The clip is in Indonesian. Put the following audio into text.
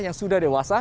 yang sudah dewasa